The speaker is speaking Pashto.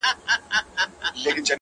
يوه د ميني زنده گي راوړي ـ